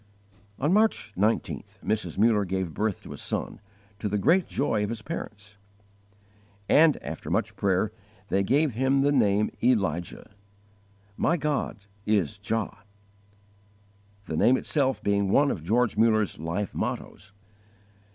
On March 19th Mrs. Muller gave birth to a son, to the great joy of his parents; and, after much prayer, they gave him the name Elijah "My God is Jah" the name itself being one of George Mullers life mottoes.